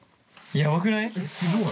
やばくない？